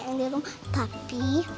yang ini serem mosya takut